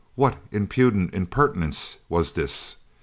What impudent impertinence was dis?